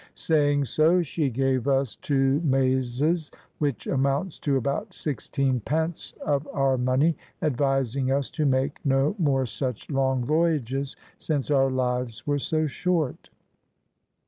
Saying so, she gave us two mazes, which amounts to about sixteen pence of our money, advising us to make no more such long voyages since our lives were so short.